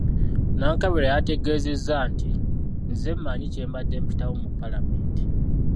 Nankabirwa yategeezezza nti, “Nze mmanyi kye mbadde mpitamu mu Paalamenti."